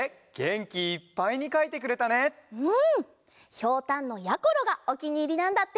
ひょうたんのやころがおきにいりなんだって。